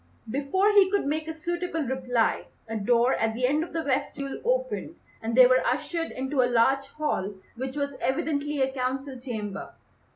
Before he could make a suitable reply, a door at the end of the vestibule opened and they were ushered into a large hall which was evidently a council chamber.